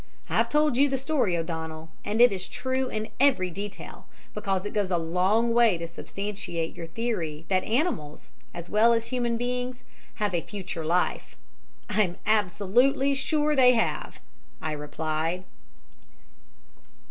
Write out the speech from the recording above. I've told you the story, O'Donnell and it is true in every detail because it goes a long way to substantiate your theory that animals, as well as human beings, have a future life." "I am absolutely sure they have!" I replied.